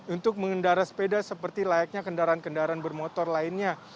untuk mengendara sepeda seperti layaknya kendaraan kendaraan bermotor lainnya